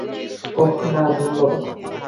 ওহ, না, ধন্যবাদ।